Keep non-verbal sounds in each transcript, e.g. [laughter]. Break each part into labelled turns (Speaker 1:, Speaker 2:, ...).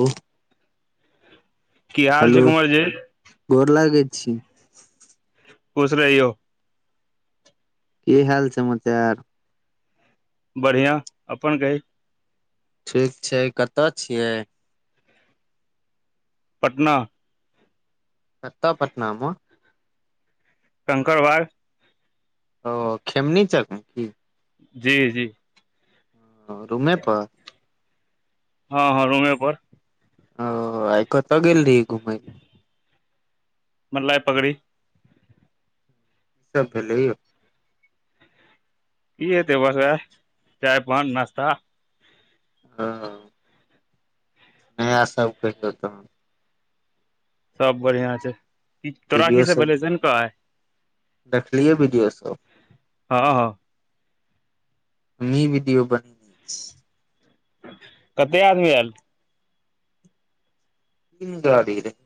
Speaker 1: ओ
Speaker 2: की हाल छै कुंवरजी?
Speaker 1: गर लागै छी।
Speaker 2: खुश रहियौ
Speaker 1: की हाल समाचार?
Speaker 2: बढ़िआँ अपन कही?
Speaker 1: ठीक छै, कतऽ छियै?
Speaker 2: पटना
Speaker 1: कत पटना म
Speaker 2: कंकड़वाग
Speaker 1: ओ खेमनी चकमे की
Speaker 2: जी जी
Speaker 1: ह रूमे पर
Speaker 2: हँ हँ रूमेप
Speaker 1: ओ आ कतऽ गेलल रहिये घुमै लऽ
Speaker 2: मतलए पकड़ी
Speaker 1: ई सभ भेल
Speaker 2: इहे देबे लऽ चाय पान नाश्ता भेल
Speaker 1: ह नया सभ कहि तय?
Speaker 2: सभ बढ़िआं छै।
Speaker 1: वीडियो
Speaker 2: तोराकी सभ
Speaker 1: सब
Speaker 2: भेलै से ने कहले
Speaker 1: देखलियै वीडियो सभ
Speaker 2: हँ हँ
Speaker 1: यही विडिओ बनने
Speaker 2: कतें आदमी आयल?
Speaker 1: [unintelligible]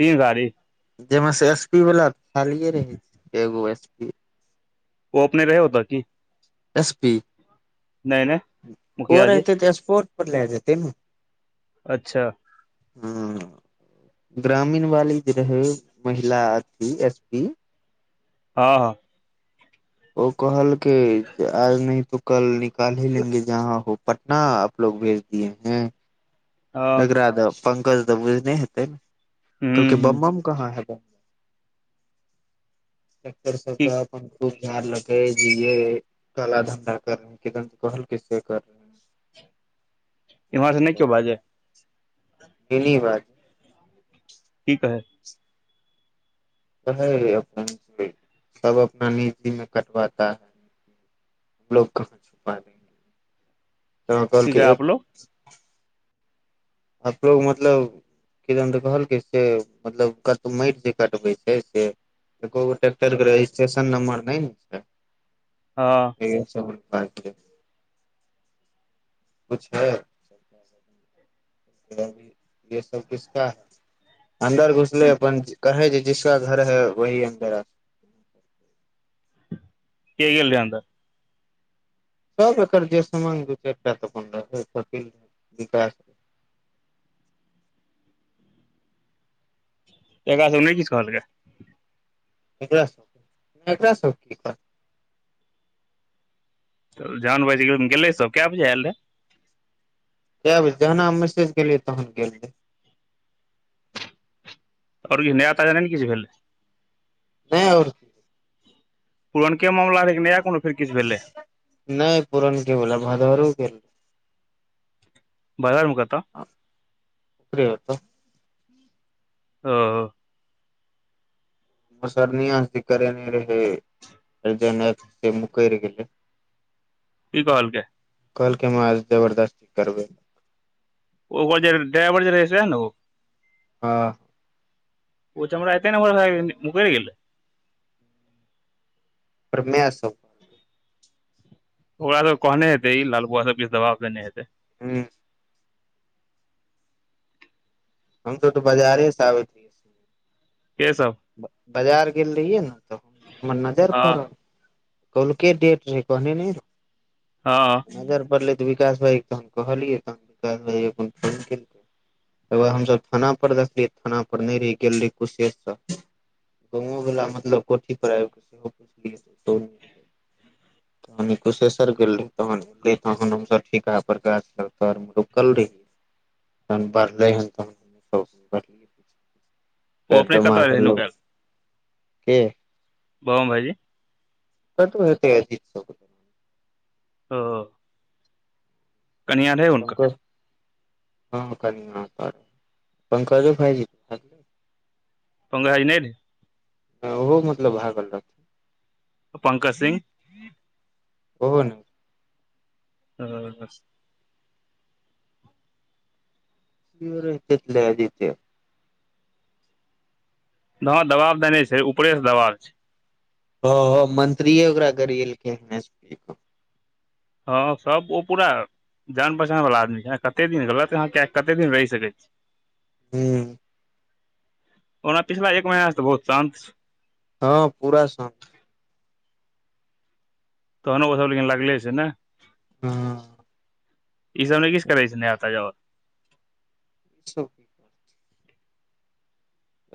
Speaker 2: तीन गाली
Speaker 1: जाहिमे से एसपीवाला खाली रहै छै, एगो एसपी।
Speaker 2: ओ अपने रहे होय ठाम की?
Speaker 1: एस पी
Speaker 2: नहि नहि
Speaker 1: ओ
Speaker 2: मुखिया जी
Speaker 1: एते तऽ स्पोर्ट पर लए जेते ने
Speaker 2: अच्छा
Speaker 1: हू ग्रामीण वाली जे रहै महिला एस पी
Speaker 2: हँ
Speaker 1: ओ कहल के आज नहि तऽ काल्हि निकालि लेत, जहाँ छै। पटना आपलोग गेल रहिए
Speaker 2: हँ
Speaker 1: एकरा तऽ पंकज तऽ बुझने हेते ने
Speaker 2: हूँ
Speaker 1: कहलक
Speaker 2: हूँ
Speaker 1: बमबम कहाँ हैत एक श
Speaker 2: की
Speaker 1: अपन [unintelligible] गलजारलकै जे ये काला धंधा करद कहल से करे
Speaker 2: इम्हार से नहि क्यो बाजे
Speaker 1: केली बात [unintelligible]
Speaker 2: की कहै
Speaker 1: कहे अपने सभ अपना निजी मे कटवातता है हमलोग कहाँ छुपा दंगे त
Speaker 2: की कहै
Speaker 1: कहलके एक [unintelligible]
Speaker 2: आपलोग
Speaker 1: आपलोग मतलब किदन तऽ कहलकै से मतलब कतहु माटि जे कटबै छै से ए
Speaker 2: हँ
Speaker 1: ट्रैक्टरके रजिस्ट्रेशन नम्बर नहि ने छै।
Speaker 2: हँ
Speaker 1: [unintelligible] छ है सभ भऽ गेल सब, किसकऽ छै? अन्दर घुसले
Speaker 2: हूँ
Speaker 1: अपन कहै। जिसका घर है वही अन्दर आ अच्छा
Speaker 2: के गेल रहे अंदर?
Speaker 1: सभ एकर जे समान दू चारिटा तऽ अपन रहे विकास
Speaker 2: एकरा सभ नहि किछु कहलकै
Speaker 1: वेहा एकरा सभ केँ कि दिक्कट
Speaker 2: तऽ जान बच गेल गेले सभ क बजे आयल रहे
Speaker 1: क्या बजे जहन हम मैसेज गेलियै तहन गेलिये
Speaker 2: ओर कि नया ताजा ने किछ भेलै
Speaker 1: नहि आओर
Speaker 2: पुरनके मामला रहै नया कोनो फेर किछ भेलै
Speaker 1: नहि पूरण के बोला भरवरो के रहे
Speaker 2: बाजारमे क तऽ
Speaker 1: ओकरे ओत
Speaker 2: ओ
Speaker 1: मुसरनी दी करे ने रहे से मुकैर गेले
Speaker 2: की कहलके
Speaker 1: कहलकै मार जबरदस्ती करबै
Speaker 2: ओकर जे ड्राइवर जे रहे से हेन ओ
Speaker 1: हँ
Speaker 2: ओ चमरा एते नम्हर भऽ गेले मुकरि गेलै
Speaker 1: परमे सब
Speaker 2: ओकरा सब कहने हेतै ई लाल बुआ सब किछु दबाब देने हेतै
Speaker 1: हूँ हम सब तऽ बाजारे से आबे तऽ [inaudible]
Speaker 2: के सब
Speaker 1: बाजार गेल रहियै ने तऽ हमर नजर
Speaker 2: हँ
Speaker 1: पड़ल कल के डेट रहै कहने ने
Speaker 2: हँ
Speaker 1: रहू नजर पड़ले विकास भाय तहन कहलियै तहन विकास फोन के लके ए हमसब थाना पर देखलियै थाना पर नहि रहि गेल रे कुशशेवर गाँवो वला मतलब कोठी पर आबि कऽ सेहो पुछलियै
Speaker 2: ह [inaudible]
Speaker 1: तहनी कुशेश्वर गेल रही तहने तहन हमस ठीका प्रकाश ल तर मे रुकल रहियै त बढ़ले हन त [inaudible]
Speaker 2: ओ
Speaker 1: पेड
Speaker 2: अपने
Speaker 1: मार
Speaker 2: कतऽ रहै नुकायल
Speaker 1: कि
Speaker 2: बम भायजी
Speaker 1: त तू [inaudible] होेतै अजीत सो
Speaker 2: ओ कनिया रहै उनका
Speaker 1: पंकज हँ कनिय ओत रहै पंकजो भाय जी
Speaker 2: पंकज भायजी नय रहै
Speaker 1: हं ओहो मतलब भागल रहथिन
Speaker 2: पंकज सिंह
Speaker 1: ओहो न
Speaker 2: ओ
Speaker 1: क्यो रहतै त लै जयतै
Speaker 2: हँ दबाब देने छै ऊपरेसँ दबाब छै
Speaker 1: हॅं मंत्रीए ओकरा गरेएलखै एस पी
Speaker 2: हँ सब ओ पूरा जान पहचान वला आदमी छै कते दिन गलत अहाँ कै कते दिन रहि सकैत छी
Speaker 1: हूँ
Speaker 2: ओना पिछला एक महिनासँ त बहुत शान्त छै
Speaker 1: हँ पूरा सँ
Speaker 2: तहनो ओसब लेकिन लागले छै ने
Speaker 1: हँ ई
Speaker 2: ई सब नय किछ करे छै ने नया ताजा अ
Speaker 1: अच्छा [inaudible]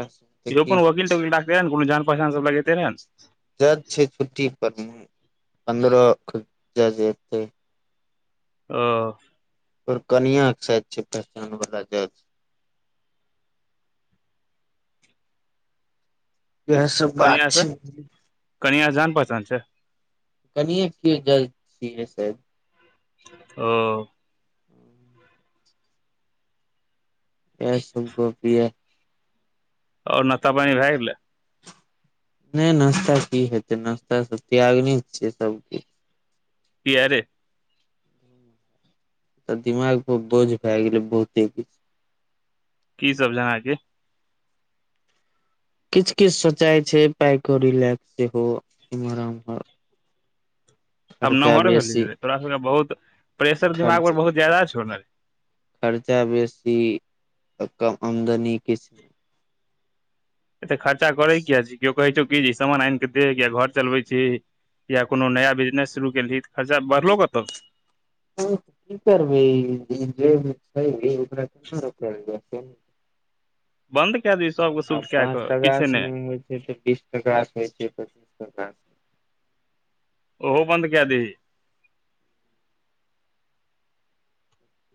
Speaker 1: एकरा सब के
Speaker 2: यो
Speaker 1: की
Speaker 2: अपन वकील
Speaker 1: होइ
Speaker 2: तकिल राखतेै ने कोनो जान पहचान सब लगेतै रहै न
Speaker 1: जज छै छुट्टी पर मे पन्द्रह के जज एतै
Speaker 2: औ
Speaker 1: ओकर कनिया के साइज छै पहचान वाला जच इएह सब बात
Speaker 2: कनिया से
Speaker 1: छै
Speaker 2: कनिया क जान पहचान छै
Speaker 1: कनिये के क्यो जज छियै सायद
Speaker 2: ओ
Speaker 1: यैह सब गप यै
Speaker 2: और नास्ता पानी भए गेलै
Speaker 1: नय न नाश्ता की हेतै नाश्ता सब त्यागने छियै सबकछु
Speaker 2: किया रे
Speaker 1: तऽ दिमाग पर बोझ भए गेलै बहुते किछ
Speaker 2: की सब जना कि
Speaker 1: किछ किछ सोचाय छै पाय कउरी लैक सेहो इम्हर आमहर
Speaker 2: हम नमहर भेलहि
Speaker 1: बेसी
Speaker 2: रे तोरा सबके बहुत प्रेशर दिमाग पर
Speaker 1: खर्च
Speaker 2: बहुत जादा छौ न रे
Speaker 1: खर्चा बेसी त कम आमदनी किछ
Speaker 2: एते खर्चा करै किया छी केओ कहौ छै की ज सामान आन कऽ दे य घर चलबै छी कियै कोनो नया बिजनेस शुरू केलही तऽ खर्चा बढ़लो कतौ स
Speaker 1: ह की करबै जे छै ओकरा केना रल [inaudible] जा
Speaker 2: बन्द कै दी सब
Speaker 1: आ पाँच टाकासँ नय होइ छै तऽ बीस टाकासँ होइ छै पच्चीस टाकासँ
Speaker 2: ओहो बन्द कै दही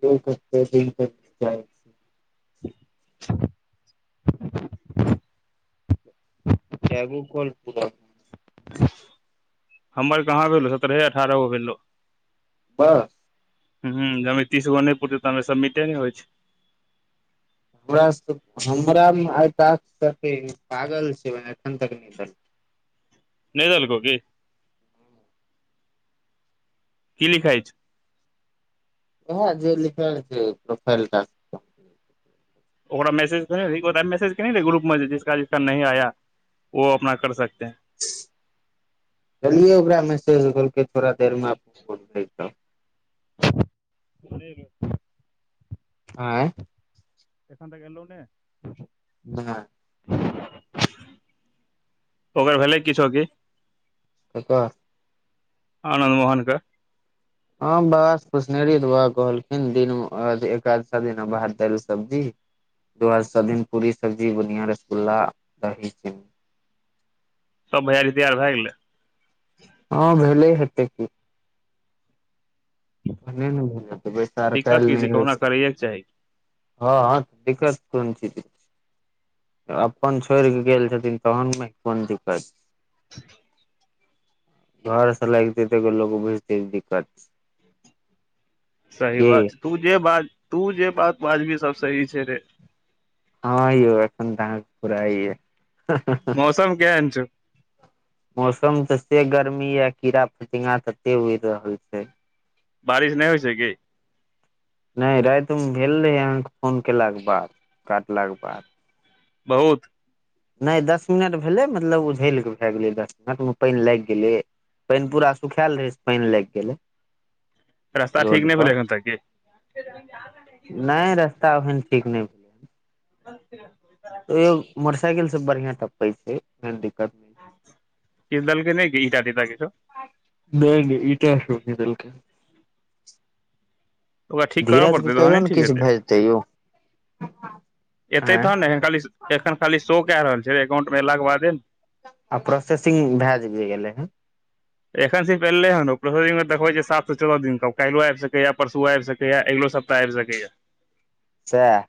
Speaker 1: द क दि [inaudible] न त जा
Speaker 2: [inaudible]
Speaker 1: कैगो कोल पूरा
Speaker 2: हमर कहाँ भेलौ सत्ररहे अठारह गो भेलो
Speaker 1: बाह
Speaker 2: हूँ जमे तीसगो नहि पुरतै तामे सबमिटे नहि होइ छै
Speaker 1: हमरा तऽ पसन्द रहे बात दाल सब्जि पागल छै एखन तक नहि दऽ
Speaker 2: नहि देलको की की लिखाइ छै
Speaker 1: हाँ जे लिखल छै प्रोफाइल टास्क [inaudible]
Speaker 2: ओकरा मैसेज देही मैसेज के नहि रहै ग्रुप मे जिसका जिसका नही आया वो अपना कर सकतेै है
Speaker 1: चल ओकरा मैसेजल थोड़ा देर मे
Speaker 2: त [inaudible]
Speaker 1: आँ य
Speaker 2: एखन तऽ गेल उ ने
Speaker 1: ना
Speaker 2: ओकर भेलै किछो की
Speaker 1: क्कर
Speaker 2: आनन्द मोहनके
Speaker 1: हँ बाबा कुछनेरी तऽ बाबा कहलखिन दिन एकादश दिन भात दालि सब्जी द्वादसा दिन पूड़ी सब्जी बुनिया रसगुल्ला दही चिन्नी
Speaker 2: सब भैयारी तैयार भए गेलै
Speaker 1: हँ भेले हेते कि हूं भेल बैसा आ
Speaker 2: दिक्कत
Speaker 1: कालल
Speaker 2: की
Speaker 1: नहि होइ
Speaker 2: कहुना
Speaker 1: छै
Speaker 2: करैएके चाही
Speaker 1: [unintelligible] हँ हँ दिक्कत कोन छी के अपन छोड़ कऽ गेल छथिन तहन ने कोन दिक्कत
Speaker 2: [inaudible]
Speaker 1: घर से लगते तै लोक भुजते दिक्कत छै
Speaker 2: सही बात तू जे बाज तू जे बात बाजबी सब सही छै रे
Speaker 1: हँौ एखन तऽ अहाँ के फुुरायऽ एऽ
Speaker 2: मौसम केहअन छौ
Speaker 1: मौसम तऽ ते गर्मी यऽ कीड़ा फतिंगा तते उड़ रहल छै
Speaker 2: बारिश नहि होइ छै की
Speaker 1: नहि रातिमे भेल रहै अहाँके फोन केलाक के बाद काटलाके बाद
Speaker 2: बहुत
Speaker 1: नहि दस मिनट भेलै मतलब उझल कऽ भए गेलै दस मिनटमे पानि लागि गेलै पनि पूरा सुखाल रहै छै पनि लागि गेले
Speaker 2: रास्ता ठीक नहि भेले एखन तऽ के
Speaker 1: नहि रस्ता ओहन ठिक नहि भेलै है ओयो मोटर साइकिल सब बढ़ियां टपे छै कोन दिक्कत
Speaker 2: किछदेल के नहि इटा तिटा किछु
Speaker 1: नहि नहि ईटा सबने देलके
Speaker 2: ओकरा ठीक करऽ
Speaker 1: धीरजके
Speaker 2: पड़तै
Speaker 1: कहियौ
Speaker 2: तहने
Speaker 1: ने
Speaker 2: ठीक
Speaker 1: किछु
Speaker 2: हेतै
Speaker 1: भेजतै यौ
Speaker 2: एतै
Speaker 1: आँय
Speaker 2: तहन ने एखन खाली एखन खाली शो कए रहल छै अकाउंट मे एयलाक के बादे ने
Speaker 1: आ प्रोसेसिंग भए जे गेलै हन
Speaker 2: एखन सिर्फ एले हन [inaudible] में देखबै छै सातसँ चौदह दिन काल्हि ओ आबि सकैये परसुओ आबि सकैये अगिलो सप् पैब सकैया
Speaker 1: सेह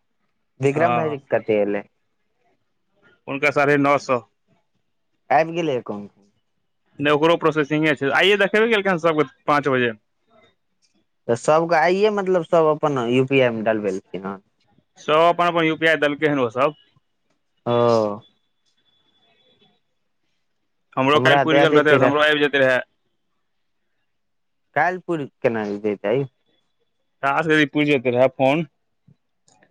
Speaker 1: विक्रम
Speaker 2: हँ
Speaker 1: भाइजी के कते एलै
Speaker 2: उनका साढ़े नओ सो
Speaker 1: आबि गेलै अकाउंट
Speaker 2: नहि ओकरो प्रोसेसिंगे छै आइयए देखेबे केलकै सभके पाँच बजे
Speaker 1: तऽ सभके आइए मतलब सब अपन यू पी आई मे डलबेलखिन हेन
Speaker 2: सब अपन अपन यू पी आइ देलकै हन ओ सब
Speaker 1: हाँ
Speaker 2: हमरो काल्हि
Speaker 1: हमरा
Speaker 2: पुर
Speaker 1: दए
Speaker 2: गेल रहतै
Speaker 1: दैते
Speaker 2: त
Speaker 1: रह
Speaker 2: हमरो आब जेतै रहे
Speaker 1: काल्हि पुरि केना जेतै तै
Speaker 2: टास्क क ई पूरि जेतै रहै फोन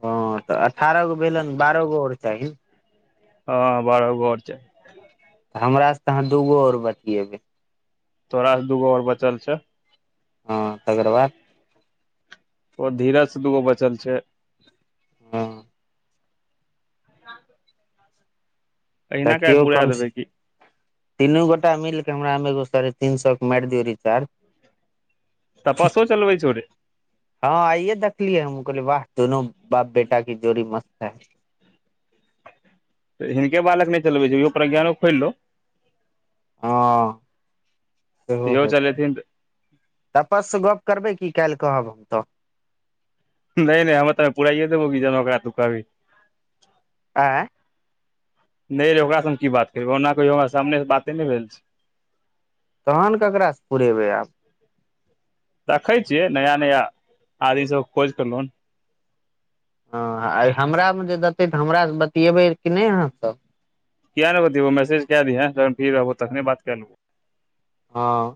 Speaker 1: हँ तऽ अठारह गो भेलन बारह गो और चाही
Speaker 2: हँ बारह गो और चाही
Speaker 1: तऽ हमरा से त अहाँ दूगो और बतियेबै
Speaker 2: तोरा से दूगो और बचल छै
Speaker 1: हं तकर बाद
Speaker 2: ओ धीरज से दूगो बचल छै
Speaker 1: हँ
Speaker 2: [inaudible] अहिना कए कऽ
Speaker 1: देखियौ
Speaker 2: पुरा
Speaker 1: कम
Speaker 2: देबै की
Speaker 1: तीनू गोटा मिलके हमरामे एगो साढ़े तीन सौ के मारि दियौ रिचार्ज
Speaker 2: तपस्यो चलबै छौ रे
Speaker 1: हँ आइये देखलिये हमहुं कहलियै वाह दोनो बाप बेटा की जोड़ी मस्त है
Speaker 2: तऽ हिनके बालक नहि चलबै छै ईहो प्रज्ञानो खोलि लौ
Speaker 1: ह सेहो
Speaker 2: इहो
Speaker 1: हेतै
Speaker 2: चलेथिन
Speaker 1: तपससँ गप करबै की काल्हि कहब हम त
Speaker 2: नहि नहि हम त ऐमे पुराइए देबौ कि जहन ओकरा तु कहभी
Speaker 1: आँय
Speaker 2: नहि रे ओकरासँ हम की बात करबै ओना कहियो हमरा सामने से बाते नहि भेल छै
Speaker 1: तहन ककरासँ पुरेबै आब
Speaker 2: देखै छियै नया नया आदमी सबके खोज के ल अन
Speaker 1: हँ आ इ हमरामे जे देतै तऽ हमरास से बतियेबै कि नहि अहाँसभ
Speaker 2: किया नै बतियैबौ मैसेज कय दिहै जखन फ्री रहबौ तखने बात कय लेबौ
Speaker 1: हँ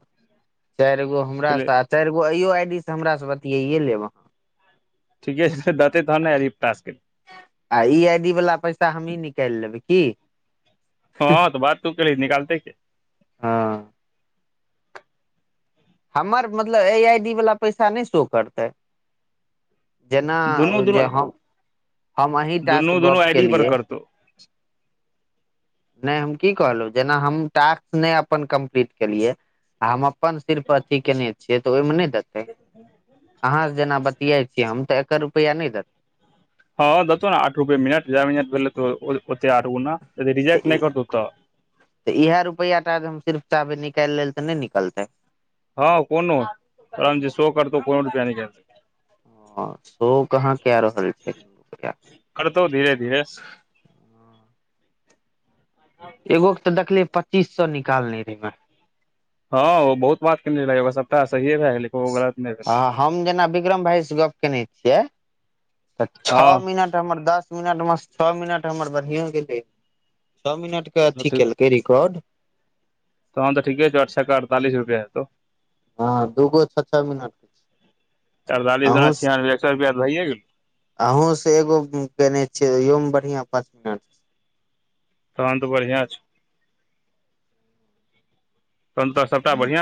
Speaker 1: चारि गो हमरा
Speaker 2: लेबो
Speaker 1: सँ आ चारि गो अइयो आई डी से हमरासँ बतियाए लेब अहाँ
Speaker 2: ठीके छै देतै त ने अरे इ टास्क
Speaker 1: आ ई आई डी वाला पैसा हमही निकालि लेबै की
Speaker 2: हँ तऽ बात तू केलही निकालतै के
Speaker 1: हँ हमर मतलब ऐ आई डी वाला पैसा नहि शो करतै जेना
Speaker 2: दुनू दुनू
Speaker 1: जे हम हम अहीं टा
Speaker 2: दुनू
Speaker 1: से
Speaker 2: दुनू
Speaker 1: गप
Speaker 2: आई डी पर
Speaker 1: केलियै
Speaker 2: करतौ
Speaker 1: नहि हम की कहलहुँ जेना हम टास्क नहि अपन कम्प्लीट केलियै आ हम अपन सिर्फ अथी केने छियै तऽ ओहिमे नहि देतै अहाँ से जेना बतियाइ छियै हम तऽ एकर रुपैया नहि देतै
Speaker 2: हँ देतौ ने आठ रुपए मिनट जाय मिनट भेल हेतौ ओते आठ गूणा यदि
Speaker 1: देतै
Speaker 2: रिजेक्ट
Speaker 1: तऽ
Speaker 2: नहि
Speaker 1: ई
Speaker 2: करतौ तऽ
Speaker 1: तऽ इएह रुपैया टा जे हम सिर्फ चाहबै निकालि लेल तऽ नहि निकलतै
Speaker 2: हँ कोनो तहन जे शो करतौ कोनो रुपैया निकाइल सकै
Speaker 1: हं शो कहाँ कय रहल छै
Speaker 2: करतौ धीरे धीरे
Speaker 1: एगो के तऽ देखलियै पच्चीस सौ निकालने रहे मे
Speaker 2: हँ ओ बहुत बात कैने यहै ओकर सप्ताह सहीए भै गेलै कोनो गलत नहि भेलै
Speaker 1: आ हँ हम जेना विक्रम भाइसँ गप्प कयने छियै तऽ छौ
Speaker 2: हँ
Speaker 1: मिनट हमर दस मिनट मे स छौ मिनट हमर बढ़ियां गेलै छौ मिनट के अथी केलकै रिकॉर्ड
Speaker 2: तहन त ठीके छौ आठ छक अड़तालीस रुपया हेतौ
Speaker 1: हँ दूगो छौ छौ मिनट
Speaker 2: अड़तालिस दुना छियानवे एक सौ रुपया त भए गेलौ
Speaker 1: अहूँसँ एगो कयने छियै इहोमे बढ़िआँ पाँच मिनट
Speaker 2: तहन तऽ बढ़ियां छै तहन तऽ सभटा बढ़िआं